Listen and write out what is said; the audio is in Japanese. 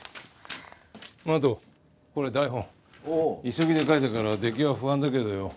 急ぎで書いたから出来は不安だけどよ。